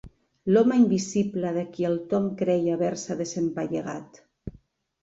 L'home invisible de qui el Tom creia haver-se desempallegat.